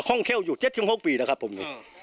ผมท่องเคี่ยวอยู่เจ็ดธิห้องปีด้วยครับผม